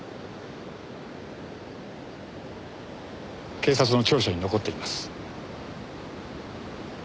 警察の調書に残っています。